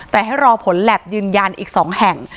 แต่ให้รอผลแล็บยืนยันอีก๒แห่ง